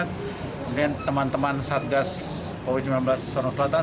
kemudian teman teman satgas covid sembilan belas sorong selatan